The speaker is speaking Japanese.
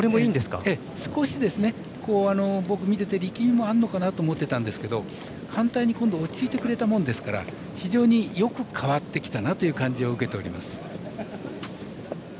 少し、僕、見てて力みもあるのかなと思ったんですけど簡単に落ち着いてくれたものですから非常によく変わってきたなという感じを受けております。